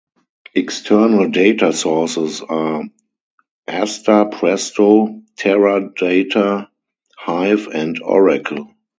External data sources are Aster, Presto, Teradata, Hive and Oracle.